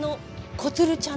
こつるちゃん。